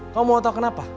kamu mau tau kenapa